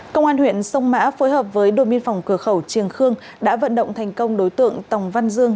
công an huyện sông mã phối hợp với đồn biên phòng cửa khẩu triềng khương đã vận động thành công đối tượng tòng văn dương